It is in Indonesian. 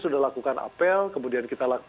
sudah lakukan apel kemudian kita